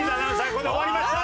ここで終わりました。